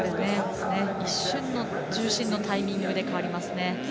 一瞬の重心のタイミングで変わります。